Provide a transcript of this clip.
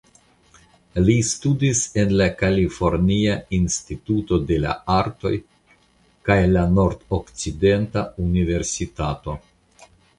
Li studis en la Kalifornia Instituto de la Artoj kaj la Nordokcidenta Universitato.